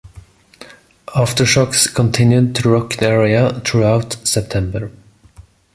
Aftershocks continued to rock the area through September.